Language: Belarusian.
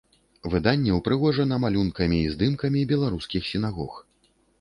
Выданне ўпрыгожана малюнкамі і здымкамі беларускіх сінагог.